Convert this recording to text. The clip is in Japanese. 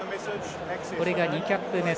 これが２キャップ目。